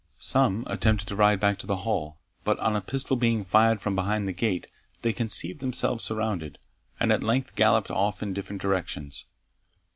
Some attempted to ride back to the Hall, but on a pistol being fired from behind the gate, they conceived themselves surrounded, and at length galloped of in different directions.